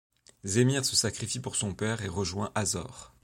Zémire se sacrifie pour son père et rejoint Azor.